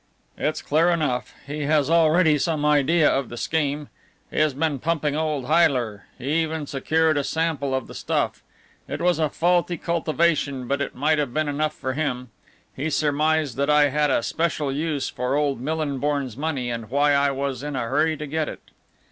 "It's clear enough. He has already some idea of the scheme. He has been pumping old Heyler; he even secured a sample of the stuff it was a faulty cultivation, but it might have been enough for him. He surmised that I had a special use for old Millinborn's money and why I was in a hurry to get it."